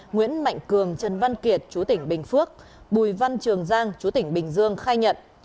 nguyễn mạnh cường trần văn kiệt chú tỉnh bình phước bùi văn trường giang chú tỉnh bình dương khai nhận